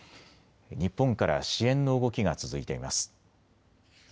日本から支援の動きが続いています。